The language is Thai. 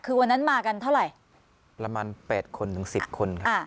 คือวันนั้นมากันเท่าไหร่ประมาณ๘คนถึง๑๐คน